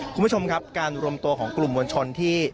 คุณผู้ชมครับการรวมตัวของกลุ่มมวลชนที่